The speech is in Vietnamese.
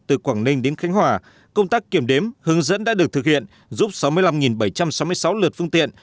từ quảng ninh đến khánh hòa công tác kiểm đếm hướng dẫn đã được thực hiện giúp sáu mươi năm bảy trăm sáu mươi sáu lượt phương tiện